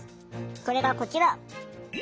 それがこちら！